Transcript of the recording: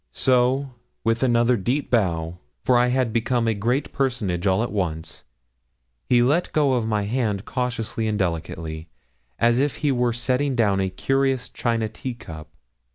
So, with another deep bow for I had become a great personage all at once he let go my hand cautiously and delicately, as if he were setting down a curious china tea cup.